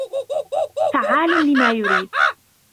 فعال لما يريد